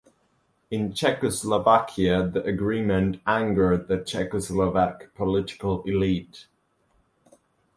In Czechoslovakia the agreement angered the Czechoslovak political elite.